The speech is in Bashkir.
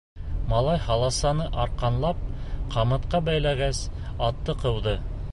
Малай һаласаны арҡанлап, ҡамытҡа бәйләгәс, атты ҡыуҙы.